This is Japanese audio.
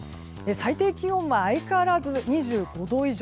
最低気温は相変わらず２５度以上。